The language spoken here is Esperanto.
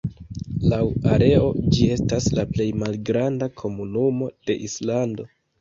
Laŭ areo, ĝi estas la plej malgranda komunumo de Islando.